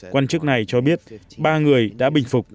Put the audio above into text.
quan chức này cho biết ba người đã bình phục